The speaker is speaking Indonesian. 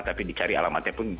tapi dicari alamatnya pun